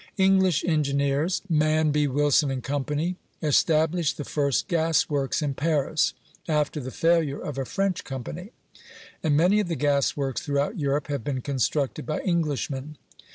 English engineers (Manby, Wilson, and Co.) established the first gas works in Paris, after the failure of a French com pany; and many of the gas works throughout Europe have been constructed by Englishmen.